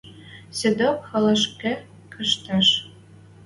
Седок халашкы каштеш.